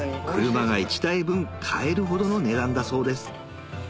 車が１台分買えるほどの値段だそうです